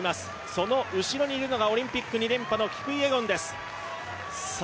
その後ろにいるのがオリンピック２連覇のキプイエゴンです。